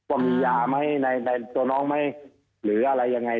ว่ามียาไหมในตัวน้องไหมหรืออะไรยังไง